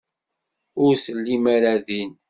Ur tellim ara din.